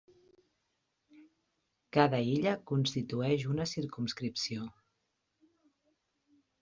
Cada illa constitueix una circumscripció.